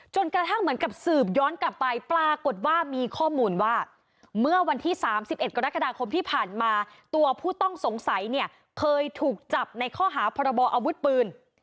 จนกระทั่งเหมือนกับสืบย้อนกลับไปปรากฏว่ามีข้อมูลว่าเมื่อวันที่๓๑กรกฎาคมที่ผ่านมาตัวผู้ต้องสงสัยเนี่ยเคยถูกจับในข้อหาพรบออาวุธปืน